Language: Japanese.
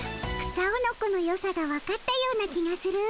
草おのこのよさがわかったような気がする。